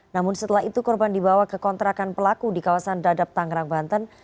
namun setelah itu korban dibawa ke kontrakan pelaku di kawasan dadap tangerang banten